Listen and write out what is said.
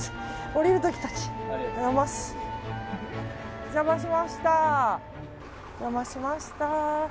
お邪魔しました。